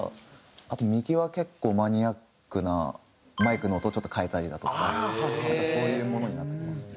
あと右は結構マニアックなマイクの音をちょっと変えたりだとかなんかそういうものになってますね。